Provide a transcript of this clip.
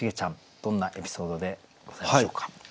どんなエピソードでございましょうか？